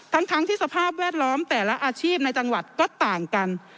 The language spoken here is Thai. ทั้งที่สภาพแวดล้อมแต่ละอาชีพในจังหวัดก็ต่างกัน